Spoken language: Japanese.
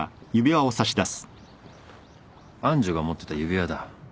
愛珠が持ってた指輪だ。